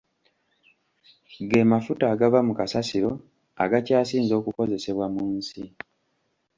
Ge mafuta agava mu kasasiro agakyasinze okukozesebwa mu nsi.